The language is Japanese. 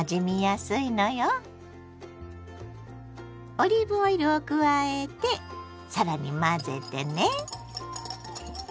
オリーブオイルを加えて更に混ぜてね。